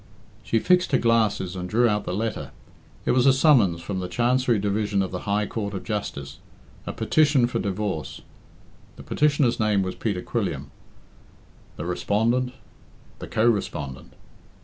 She fixed her glasses and drew out the letter. It was a summons from the Chancery Division of the High Court of Justice a petition for divorce. The petitioner's name was Peter Quilliam; the respondent , the co respondent